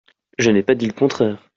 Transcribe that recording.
Je n’ai pas dit le contraire.